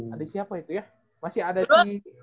ada si apa itu ya masih ada si